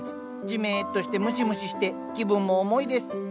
じめっとしてムシムシして気分も重いです